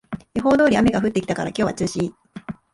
予報通り雨が降ってきたから今日は中止